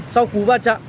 sau khú va chạm